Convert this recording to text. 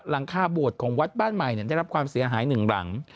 หลังคาบวชของวัดบ้านใหม่ได้รับความเสียหาย๑หลัง